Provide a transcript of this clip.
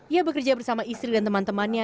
ia bekerja bersama istri dan teman temannya